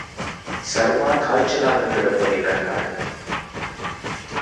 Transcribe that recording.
சர்மா காய்ச்சலாகக் கிடப்பதைக் கண்டாள்.